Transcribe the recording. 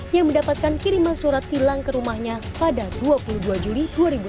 yang mendapatkan kiriman surat tilang ke rumahnya pada dua puluh dua juli dua ribu dua puluh